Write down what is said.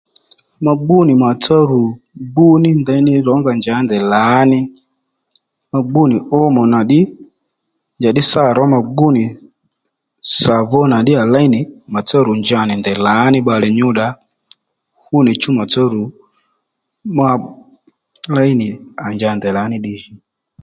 Ma gbú nì maàtsá ru gbú nì ndeyní rǒnga njǎ ndèy lǎní ma gbú nì ómò nà ddí njàddí sâ ró ma gbú nì sàvó nà ddí à léy nì mà tsá ru njanì ndèy lǎní bbalè nyúdda ó fú nì chú màtsá ru ma léy nì à nja ndèy lǎní ddiy jì